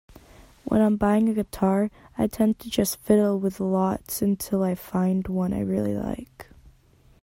When I'm buying a guitar I tend to just fiddle with lots until I find one I really like.